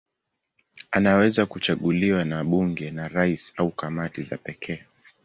Anaweza kuchaguliwa na bunge, na rais au kamati za pekee.